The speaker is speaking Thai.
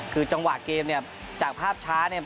คือจังหวะเกมเนี่ยจากภาพช้าเนี่ย